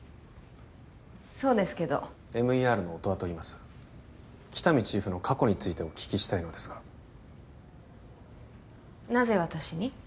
そうですけどＭＥＲの音羽といいます喜多見チーフの過去についてお聞きしたいのですがなぜ私に？